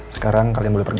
sekarang kalian boleh pergi